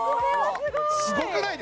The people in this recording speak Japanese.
すごくないですか？